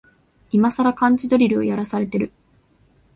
いまさら漢字ドリルをやらされてる